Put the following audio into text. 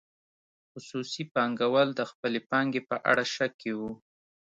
خصوصي پانګوال د خپلې پانګې په اړه شک کې وو.